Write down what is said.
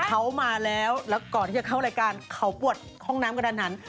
เขามาแล้วแล้วก่อนที่จะเข้ารายการเขาปวดห้องน้ำกระดานหัน